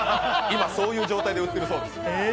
今そういう状態で売ってるそうです。